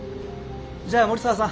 じゃあ森澤さん